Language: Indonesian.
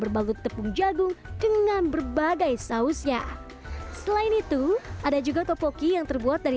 berbalut tepung jagung dengan berbagai sausnya selain itu ada juga topoki yang terbuat dari